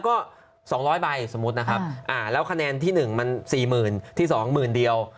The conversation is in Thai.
ก็๒๐๐ใบสมมุตินะครับแล้วคะแนนที่๑มัน๔๐๐๐ที่๒หมื่นเดียว